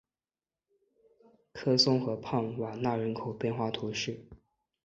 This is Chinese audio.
科松河畔瓦讷人口变化图示